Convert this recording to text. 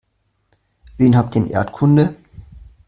Wen habt ihr in Erdkunde?